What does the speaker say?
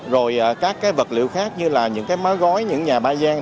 rồi các cái vật liệu khác như là những cái má gói những nhà ba giang